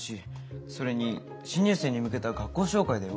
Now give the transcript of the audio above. それに新入生に向けた学校紹介だよ？